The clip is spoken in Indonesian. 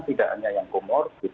tidak hanya yang komorbid